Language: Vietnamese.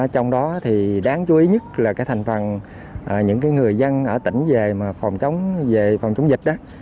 trong đó đáng chú ý nhất là thành phần những người dân ở tỉnh về phòng chống dịch